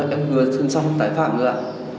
em vừa xin xong tài phạm rồi ạ